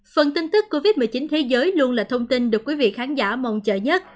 phần tin tức covid một mươi chín thế giới luôn là thông tin được quý vị khán giả mong chờ nhất